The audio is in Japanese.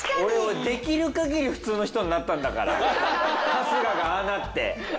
春日がああなって。